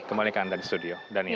kembali ke anda di studio